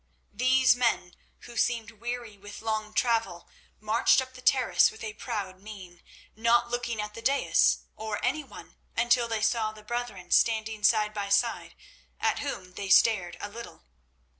These men, who seemed weary with long travel, marched up the terrace with a proud mien, not looking at the daïs or any one until they saw the brethren standing side by side, at whom they stared a little.